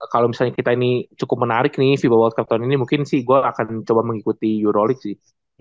kalau misalnya kita ini cukup menarik nih fiba world cup tahun ini mungkin si gol akan coba mengikuti euro league sih